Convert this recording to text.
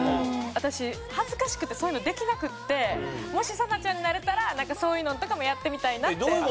私恥ずかしくてそういうのできなくてもしサナちゃんになれたらなんかそういうのとかもやってみたいなって。